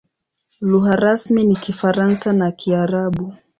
Lugha rasmi ni Kifaransa na Kiarabu.